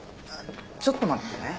ちょっと待ってね。